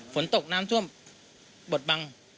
ฝนตกน้ำท่วมบทบัง